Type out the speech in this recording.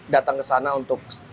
datang ke sana untuk